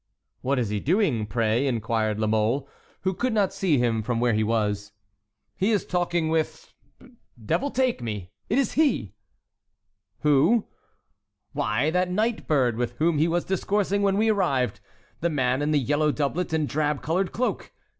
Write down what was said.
"What is he doing, pray?" inquired La Mole, who could not see him from where he was. "He is talking with—devil take me! it is he!" "Who?" "Why, that night bird with whom he was discoursing when we arrived. The man in the yellow doublet and drab colored cloak.